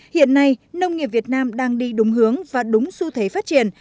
hiện nay nông nghiệp việt nam đang đi đúng hướng và đúng xu thế phát triển